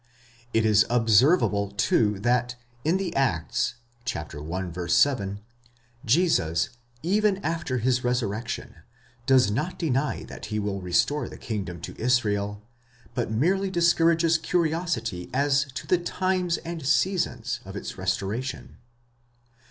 It is observable, too, that in the Acts (i. 7), Jesus, even after his resurrection, does not deny that he will restore the kingdom to Israel, but merely discour ages curiosity as to the times and seasons of its restoration.